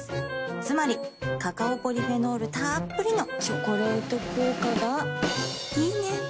つまりカカオポリフェノールたっぷりの「チョコレート効果」がいいね。